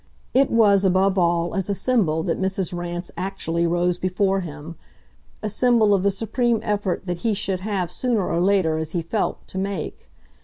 It was above all as a symbol that Mrs. Rance actually rose before him a symbol of the supreme effort that he should have sooner or later, as he felt, to make.